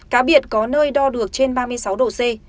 cá biệt có nơi đo được trên ba mươi sáu độ c